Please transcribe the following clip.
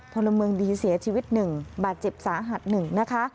พลเมืองดีเสียชีวิตหนึ่งบาดเจ็บสาหัสหนึ่ง